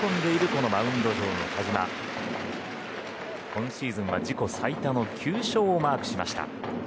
今シーズンは自己最多の９勝をマークしています、田嶋。